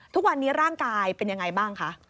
ทุกวันนี้ร่างกายเป็นยังไงบ้างคะ